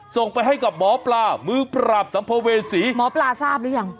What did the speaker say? ส่งไปให้กับหมอปลามือปราบสัมภเวษีหมอปลาทราบหรือยัง